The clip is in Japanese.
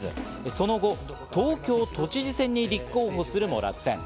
その後、東京都知事選に立候補するも落選。